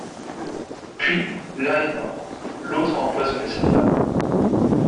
Puis l'un est mort, l'autre a empoisonné sa femme.